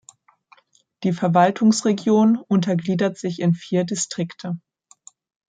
Die Verwaltungsregion untergliedert sich in vier Distrikte.